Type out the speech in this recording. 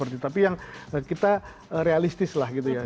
tapi yang kita realistis lah gitu ya